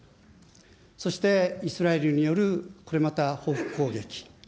そしてイスラエルによるこれまた報復攻撃。